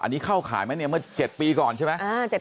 อันนี้เข้าข่ายไหมเนี่ยเมื่อ๗ปีก่อนใช่ไหม